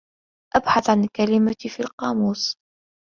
ابحث عن الكلمة في القاموس.